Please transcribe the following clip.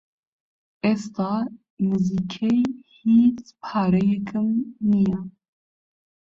ئێستا نزیکەی هیچ پارەیەکم نییە.